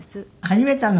始めたの？